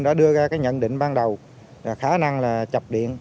nó đưa ra cái nhận định ban đầu là khả năng là chập điện